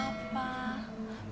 tuan mau makan apa